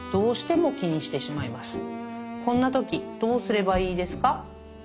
こんな時、どうすればいいですか」。